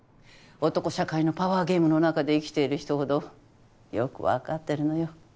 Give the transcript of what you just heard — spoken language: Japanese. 男社会のパワーゲームの中で生きている人ほどよくわかってるのよ。